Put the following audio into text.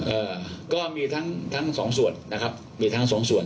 เอ่อก็มีทั้งทั้งสองส่วนนะครับมีทั้งสองส่วน